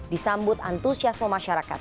disambut antusiasme masyarakat